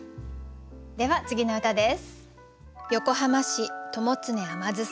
では次の歌です。